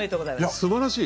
すばらしい！